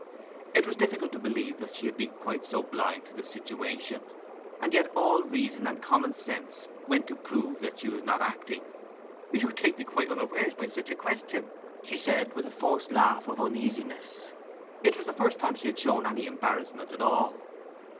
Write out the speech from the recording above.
It was difficult to believe that she had been quite blind to the situation, and yet all reason and common sense went to prove that she was not acting. 'You take me quite unawares by such a question!' she said, with a forced laugh of uneasiness. It was the first time she had shown any embarrassment at all.